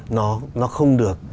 nó không được